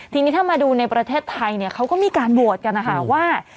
ทีนี้ถ้ามาดูในประเทศไทยเนี่ยเขาก็มีการโหวตกันนะคะว่า